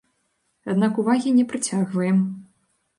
Аднак увагі не прыцягваем.